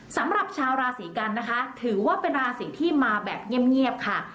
สำหรับชาวราศีกันนะคะถือว่าเป็นราศีที่มาแบบเงียบค่ะ